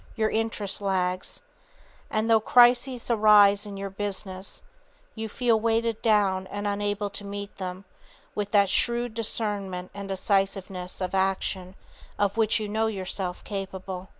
Your interest lags. And though crises arise in your business, you feel weighted down and unable to meet them with that shrewd discernment and decisiveness of action of which you know yourself capable.